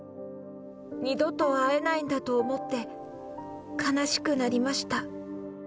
二度と会えないんだと思って、悲しくなりました。